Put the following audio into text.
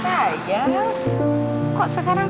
suara yang lebih lekrange